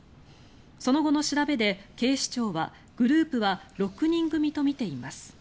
その後の調べで警視庁はグループは６人組とみています。